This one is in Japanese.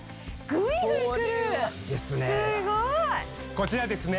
こちらですね